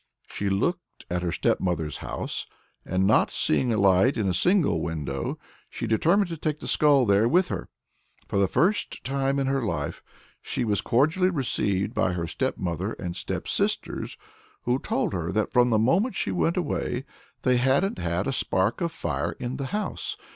She looked at her stepmother's house, and not seeing a light in a single window, she determined to take the skull in there with her. For the first time in her life she was cordially received by her stepmother and stepsisters, who told her that from the moment she went away they hadn't had a spark of fire in the house.